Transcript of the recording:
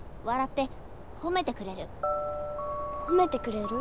ほめてくれる？